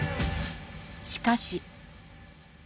しかし。